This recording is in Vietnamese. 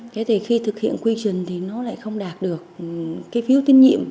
thế thì khi thực hiện quy trình thì nó lại không đạt được cái phiếu tín nhiệm